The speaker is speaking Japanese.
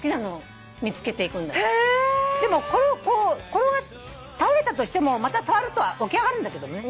でも倒れたとしてもまた触ると起き上がるんだけどね。